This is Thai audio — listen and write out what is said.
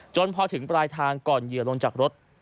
พอถึงปลายทางก่อนเหยื่อลงจากรถ